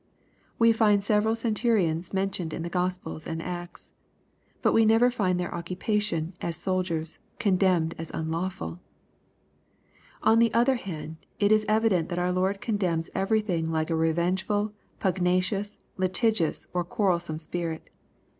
We find several centurions mentioned in the Gospels and Acts. But v e never find their occupation, as soldiers, condemned as unlawful. On the other hand, it is evident that our Lord condemns every thing like a revengeful, pugnacious, litigious, or quarrelsome spirit.